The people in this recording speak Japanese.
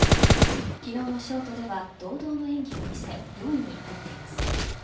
昨日のショートでは堂々の演技を見せ４位に入っています。